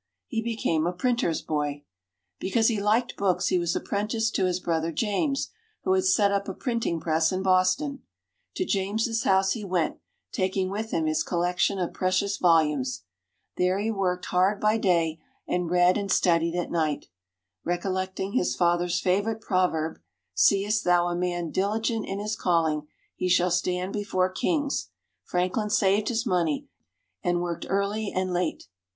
He became a printer's boy. Because he liked books, he was apprenticed to his brother James, who had set up a printing press in Boston. To James's house he went, taking with him his collection of precious volumes. There he worked hard by day, and read and studied at night. Recollecting his father's favourite proverb, "Seest thou a man diligent in his calling, he shall stand before Kings," Franklin saved his money, and worked early and late.